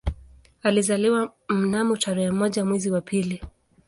Alizaliwa mnamo tarehe moja mwezi wa pili